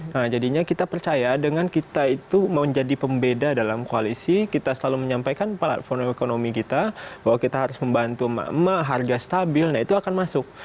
nah jadinya kita percaya dengan kita itu mau jadi pembeda dalam koalisi kita selalu menyampaikan platform ekonomi kita bahwa kita harus membantu harga stabil nah itu akan masuk